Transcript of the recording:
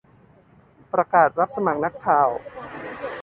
ประกาศ - รับสมัครนักข่าว